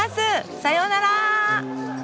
さようなら。